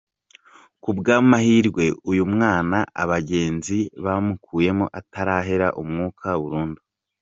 Ku bw’amahirwe uyu mwana abagenzi bamukuyemo atarahera umwuka burundu.